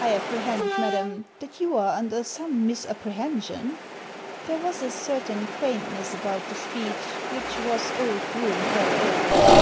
''I apprehend, madam, that you are under some misapprehension." There was a certain quaintness about the speech which was old Groome all over.